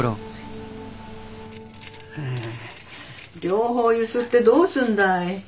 両方揺すってどうすんだい。